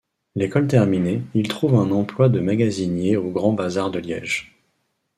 L'école terminée, il trouve un emploi de magasinier au Grand-Bazar de Liège.